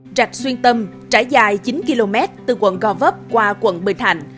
trạch xuyên tâm trải dài chín km từ quận go vấp qua quận bình thạnh